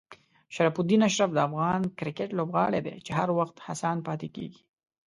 شرف الدین اشرف د افغان کرکټ لوبغاړی دی چې هر وخت هڅاند پاتې کېږي.